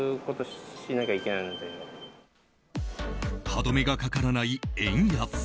歯止めがかからない円安。